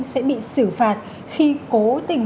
sẽ bị xử phạt khi cố tình